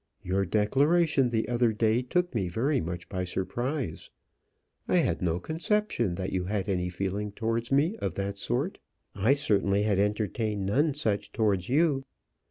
Your declaration the other day took me very much by surprise. I had no conception that you had any feelings towards me of that sort. I certainly had entertained none such towards you.